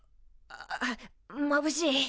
ああまぶしい。